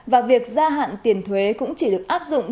và việc gia hạn tiền thuế cũng chỉ được áp dụng